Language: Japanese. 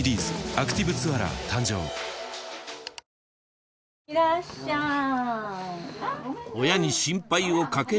いらっしゃい。